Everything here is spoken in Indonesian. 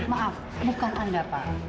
maaf bukan anda pak